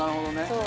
そう。